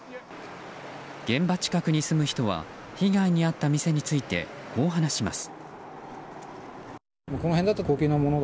現場近くに住む人は被害に遭った店についてこう話します。